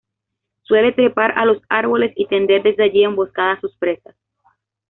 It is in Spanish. Suele trepar a los árboles y tender desde allí emboscadas a sus presas.